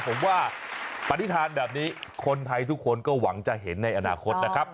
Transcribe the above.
ผมว่าปฏิฐานแบบนี้คนไทยทุกคนก็หวังจะเห็นในอนาคตนะครับ